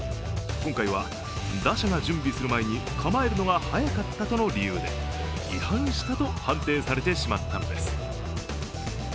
今回は打者が準備する前に構えるのが早かったという理由で違反したと判定されてしまったのです。